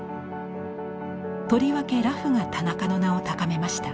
とりわけ裸婦が田中の名を高めました。